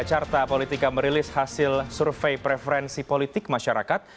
carta politika merilis hasil survei preferensi politik masyarakat